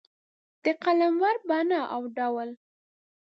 د قلمرو بڼه او ډول